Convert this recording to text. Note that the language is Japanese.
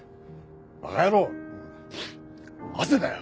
バカ野郎汗だよ！